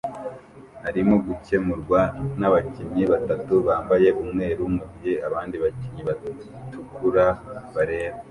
arimo gukemurwa nabakinnyi batatu bambaye umweru mugihe abandi bakinnyi batukura bareba